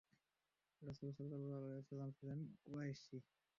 রাসূল সাল্লাল্লাহু আলাইহি ওয়াসাল্লাম ছিলেন কুরাইশী।